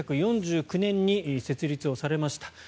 １９４９年に設立されました。